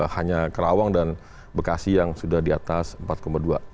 hanya kerawang dan bekasi yang sudah di atas empat dua